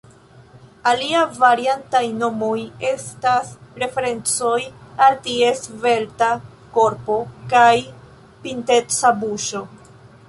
Alia variantaj nomoj estas referencoj al ties svelta korpo kaj pinteca buŝo.